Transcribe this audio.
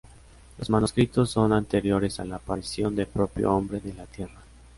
Los manuscritos son anteriores a la aparición del propio Hombre en la Tierra.